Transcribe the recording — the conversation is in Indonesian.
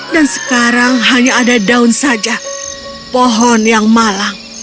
dan sekarang hanya ada daun saja pohon yang malang